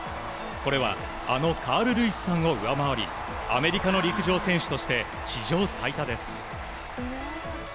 これはあのカール・ルイスさんを上回りアメリカの陸上選手として史上最多です。